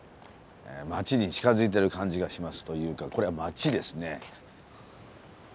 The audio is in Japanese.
町に近づいてる感じがしますというかこれは町ですね。